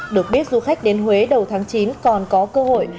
được biết du khách đến huế đầu tháng chín còn có cơ hội